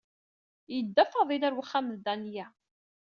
Yedda Faḍil ɣer uxxam n Danya.